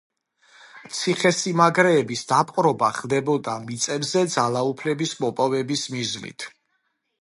ციხესიმაგრეების დაპყრობა ხდებოდა მიწებზე ძალაუფლების მოპოვების მიზნით.